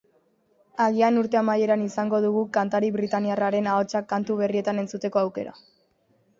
Agian urte amaieran izango dugu kantari britainiarraren ahotsa kantu berrietan entzuteko aukera.